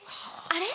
あれ？